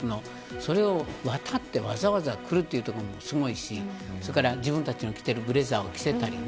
それを渡って、わざわざ来るというところがすごいし自分たちの着ているブレザーを着せたりね。